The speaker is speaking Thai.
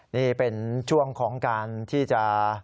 นี่เป็นช่วงของการที่จะ